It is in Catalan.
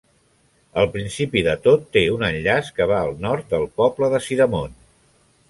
Al principi de tot, té un enllaç que va al nord del poble de Sidamon.